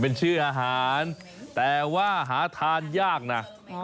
เป็นชื่ออาหารแต่ว่าหาทานยากนะ